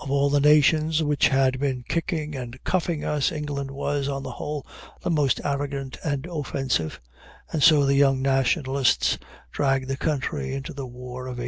Of all the nations which had been kicking and cuffing us, England was, on the whole, the most arrogant, and offensive; and so the young nationalists dragged the country into the war of 1812.